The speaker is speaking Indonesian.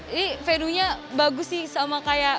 ini venue nya bagus sih